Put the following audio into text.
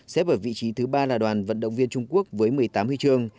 xếp ở vị trí thứ ba là đoàn vận động viên trung quốc với một mươi tám huy chương